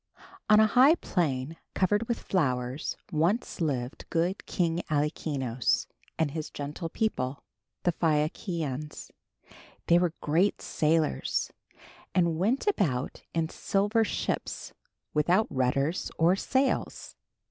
On a high plain covered with flowers once lived good King Alkinoös and his gentle people, the Phaiakians. They were great sailors and went about in silver ships without rudders or sails.